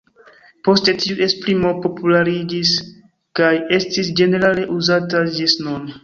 Poste tiu esprimo populariĝis kaj estis ĝenerale uzata gis nun.